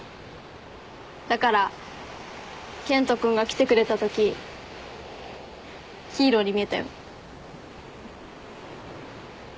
だから健人君が来てくれたときヒーローに見えたよ。